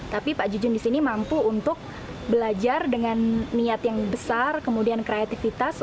tapi pak jujun di sini mampu untuk belajar dengan niat yang besar kemudian kreativitas